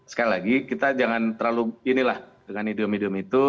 sekali lagi kita jangan terlalu inilah dengan idiom idiom itu